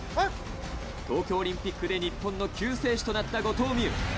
東京オリンピックで日本の救世主となった後藤希友。